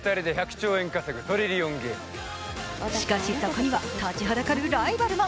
しかし、そこには立ちはだかるライバルが。